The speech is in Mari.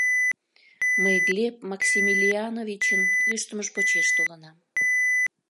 Мый Глеб Максимилиановичын кӱштымыж почеш толынам.